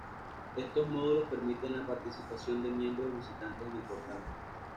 Estos módulos permiten la participación de miembros y visitantes en el portal.